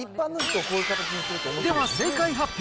では正解発表。